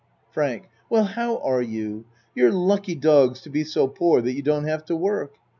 FRANK Well, how are you? You're lucky dogs to be so poor that you don't have to work.